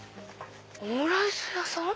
オムライス屋さん？